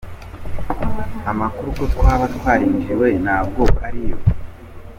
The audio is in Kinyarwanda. Amakuru ko twaba twarinjiriwe ntabwo ari yo.